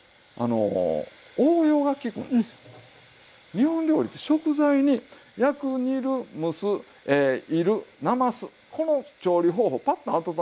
日本料理って食材に焼く煮る蒸す煎るなますこの調理方法パッと温めただけ。